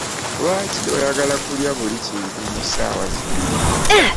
Lwaki oyagala kulya buli kintu mu ssaawa zino?